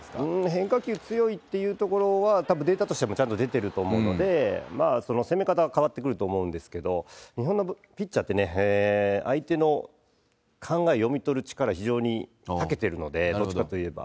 変化球強いっていうところは、たぶんデータとしてはちゃんと出てると思うので、攻め方が変わってくると思うんですけど、日本のピッチャーって、相手の考えを読み取る力、非常にたけてるので、どっちかといえば。